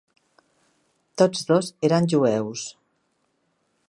Tots dos eren jueus.